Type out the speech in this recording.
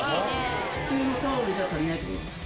普通のタオルじゃ足りないって事ですか？